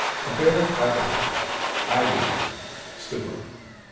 Compare APATHY; IDIOCY; STUPOR.